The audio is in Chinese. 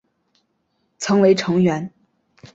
曾为成员。